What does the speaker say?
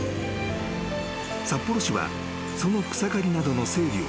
［札幌市はその草刈りなどの整備を推進］